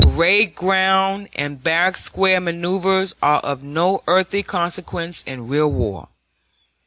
Parade ground and barrack square maneuvers are of no earthly consequence in real war.